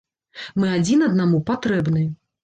Мы адзін аднаму патрэбны.